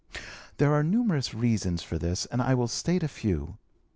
"There are numerous reasons for this and I will state a few.